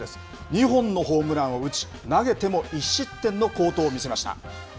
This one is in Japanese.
２本のホームランを打ち、投げても１失点の好投を見せました。